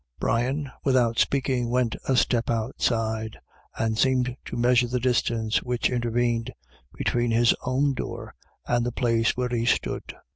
Brian, without speaking, went a step outside, and seemed to mea sure the distance which intervened between his own door and the place where he stood.